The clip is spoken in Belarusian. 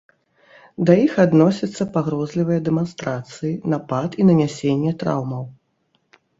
Да іх адносяцца пагрозлівыя дэманстрацыі, напад і нанясенне траўмаў.